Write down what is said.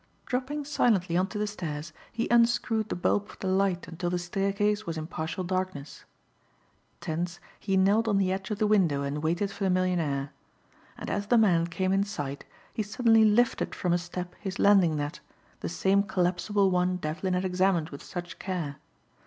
Dropping silently on to the stairs, he unscrewed the bulb of the light until the staircase was in partial darkness. Tense, he knelt on the edge of the window and waited for the millionaire. And as the man came in sight he suddenly lifted from a step his landing net, the same collapsible one Devlin had examined with such care.